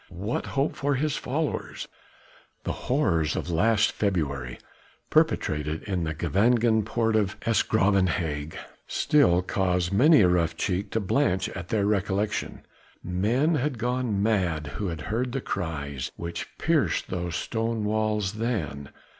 what hope for his followers? The horrors of last February perpetrated in the Gevangen Poort of 'S Graven Hage still cause many a rough cheek to blanch at their recollection. Men had gone mad who had heard the cries which pierced those stone walls then.